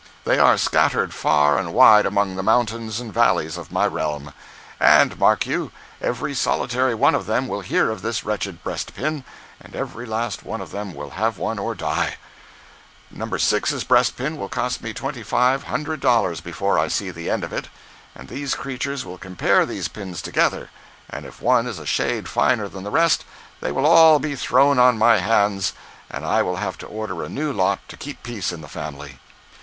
They are scattered far and wide among the mountains and valleys of my realm. And mark you, every solitary one of them will hear of this wretched breast pin, and every last one of them will have one or die. No. 6's breast pin will cost me twenty five hundred dollars before I see the end of it. And these creatures will compare these pins together, and if one is a shade finer than the rest, they will all be thrown on my hands, and I will have to order a new lot to keep peace in the family.